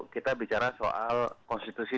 kita bicara soal konstitusi